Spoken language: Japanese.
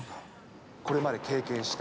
これまで経験した。